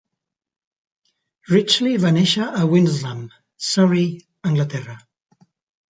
Ridgeley va néixer a Windlesham, Surrey, Anglaterra.